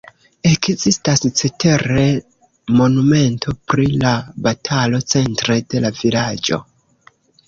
Ekzistas cetere monumento pri la batalo centre de la vilaĝo.